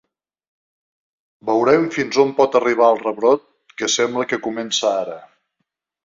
Veurem fins on pot arribar el rebrot que sembla que comença ara.